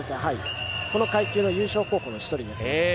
この階級の優勝候補の１人です。